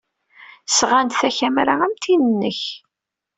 Sɣan-d takamra am tin-nnek.